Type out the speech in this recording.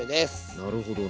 なるほどね。